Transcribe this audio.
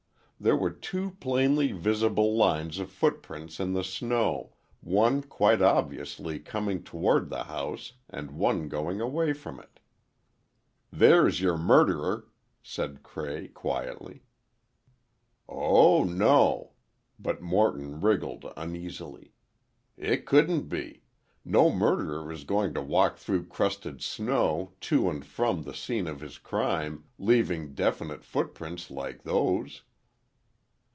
There were two plainly visible lines of footprints in the snow, one quite obviously coming toward the house and one going away from it. "There's your murderer," said Cray, quietly. "Oh, no," but Morton wriggled uneasily. "It couldn't be. No murderer is going to walk through crusted snow, to and from the scene of his crime, leaving definite footprints like those!"